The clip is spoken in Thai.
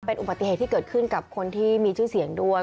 อุบัติเหตุที่เกิดขึ้นกับคนที่มีชื่อเสียงด้วย